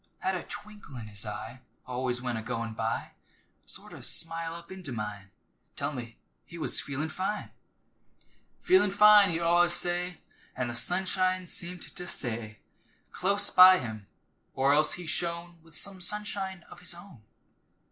Had a twinkle in his eye Always when a goin' by, Sort o' smile up into mine, Tell me he was "feelin' fine!" "Feelin' fine," he'd allus say, An' th' sunshine seemed to stay Close by him, or else he shone With some sunshine of his own.